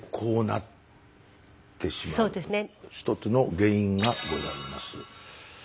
一つの原因がございます。